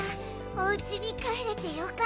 おうちにかえれてよかったね。